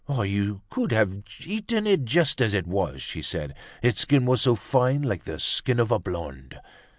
"You could have eaten it just as it was," she said, "its skin was so fine, like the skin of a blonde."